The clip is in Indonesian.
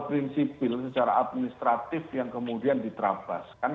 prinsipil secara administratif yang kemudian diterabaskan